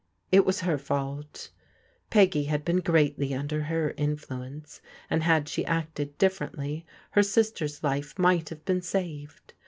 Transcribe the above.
It was her fault. Peggy had been greatly tmder her influence, and had she acted differently her sister's life might have been saved.